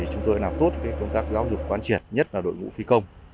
chúng tôi làm tốt công tác giáo dục quán triệt nhất là đội ngũ phi công